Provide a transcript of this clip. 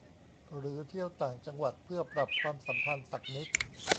หรือเที่ยวต่างจังหวัดเพื่อปรับความสัมพันธ์สักนิด